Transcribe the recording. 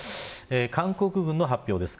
韓国軍の発表です。